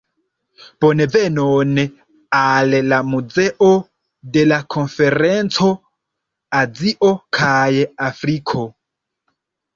Bonvenon al la muzeo de la konferenco, Azio kaj Afriko